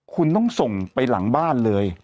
คุณต้องส่งไปหลังบ้านเลย